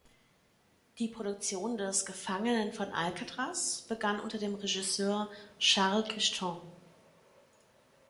Die Produktion des „Gefangenen von Alcatraz“ begann unter dem Regisseur Charles Crichton.